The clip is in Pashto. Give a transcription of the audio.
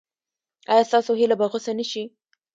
ایا ستاسو هیله به غوڅه نشي؟